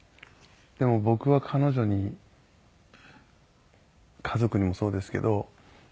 でも僕は彼女に家族にもそうですけど。